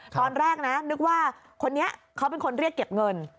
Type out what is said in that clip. ตอนแรกนะนึกว่าคนนี้เขาเป็นคนเรียกเก็บเงิน